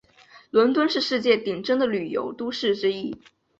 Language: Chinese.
伦敦是世界顶尖的旅游都市之一。